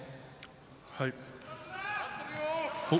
はい。